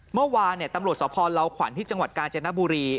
เมื่อวานตำรวจสพลาวขวัญที่จังหวัดกาญจนบุรี